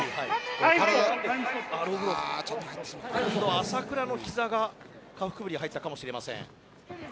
朝倉のひざが下腹部に入ったかもしれません。